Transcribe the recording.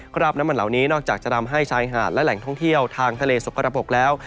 คราบน้ำมันเหล่านี้นอกจากจะทำให้ชายหาดและแหล่งท่องเที่ยวทางทะเลสกกระปกแล้ว